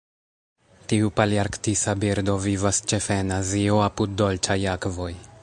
Tiu palearktisa birdo vivas ĉefe en Azio apud dolĉaj akvoj.